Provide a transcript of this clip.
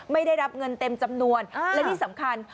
ไม่ได้รับเงินเต็มจำนวนและที่สำคัญ